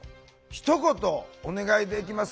ひと言お願いできますか？